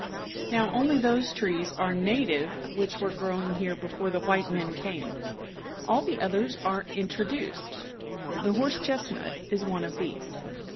Now, only those trees are native which were growing here before the white men came. All the others are introduced. The horse chestnut is one of these.